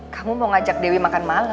kamu mau ngajak dewi makan malam